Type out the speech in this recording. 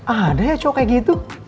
ada ya co kayak gitu